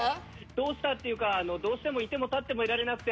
どうしたっていうかどうしても居ても立ってもいられなくて。